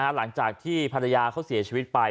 หลังจากที่ภรรยาเขาเสียชีวิตไป